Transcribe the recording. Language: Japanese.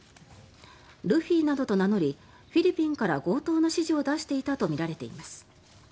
ルフィなどと名乗りフィリピンから強盗の指示を出していたとみられています。